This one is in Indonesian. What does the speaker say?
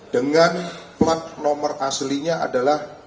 dengan plat nomor aslinya adalah